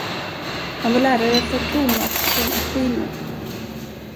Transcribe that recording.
Han var lärare för Tomas från Aquino.